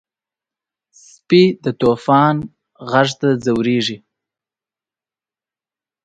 سپي د طوفان غږ ته ځورېږي.